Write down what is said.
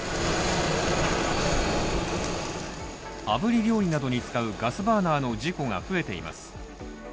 炙り料理などに使うガスバーナーの事故が増えています。